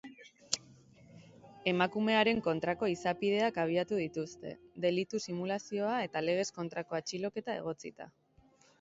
Emakumearen kontrako izapideak abiatu dituzte, delitu simulazioa eta legez kontrako atxiloketa egotzita.